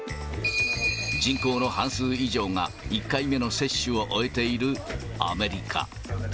人口の半数以上が１回目の接種を終えているアメリカ。